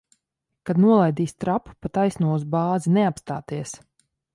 Kad nolaidīs trapu, pa taisno uz bāzi. Neapstāties!